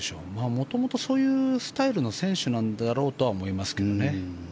元々、そういうスタイルの選手だろうとは思いますけどね。